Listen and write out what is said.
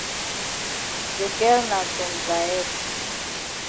De girl na some dry head.